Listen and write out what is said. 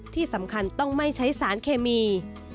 ที่สำคัญต้องไม่ใช้สารเคมี